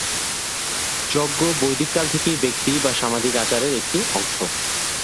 যজ্ঞ বৈদিক কাল থেকেই ব্যক্তি বা সামাজিক আচারের একটি অংশ।